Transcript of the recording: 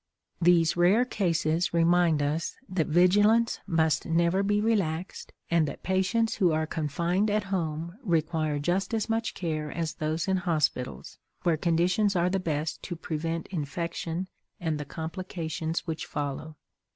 These rare cases remind us that vigilance must never be relaxed, and that patients who are confined at home require just as much care as those in hospitals, where conditions are the best to prevent infection and the complications, which follow.